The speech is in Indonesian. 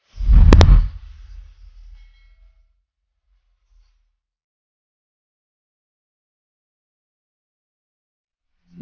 aku beli kamu